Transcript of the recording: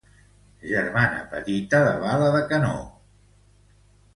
Germana menor de Bala de Canó.